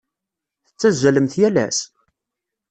Tettazzalemt yal ass?